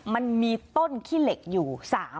มันมีต้นขี้เหล็กอยู่